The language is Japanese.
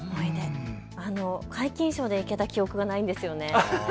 皆勤賞で行けた記憶がないんですよね。